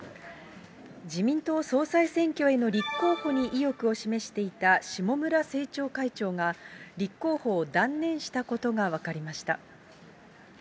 自民党総裁選挙への立候補に意欲を示していた下村政調会長が、立候補を断念したことが分かりました。